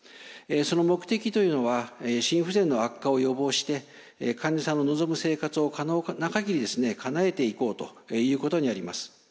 その目的というのは心不全の悪化を予防して患者さんの望む生活を可能な限りかなえていこうということにあります。